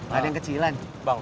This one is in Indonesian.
ada yang kecilan